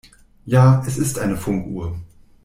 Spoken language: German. Ja, es ist eine Funkuhr.